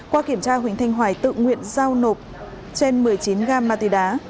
qua kiểm tra huỳnh thanh hoài tự nguyện giao nộp trên một mươi chín gam ma túy đá